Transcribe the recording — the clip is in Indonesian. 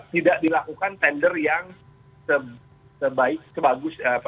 tidak dilakukan tender yang sebagus